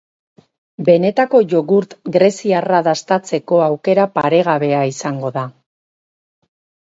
Benetako jogurt greziarra dastatzeko aukera paregabea izango da.